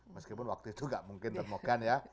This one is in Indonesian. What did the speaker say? meskipun waktu itu gak mungkin termogan ya